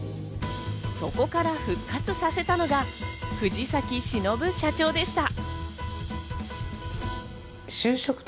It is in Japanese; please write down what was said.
そこから復活させたのが、藤崎忍社長でした。